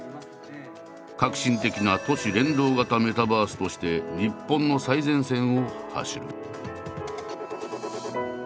革新的な「都市連動型メタバース」として日本の最前線を走る。